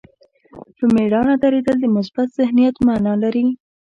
په مېړانه درېدل د مثبت ذهنیت معنا لري.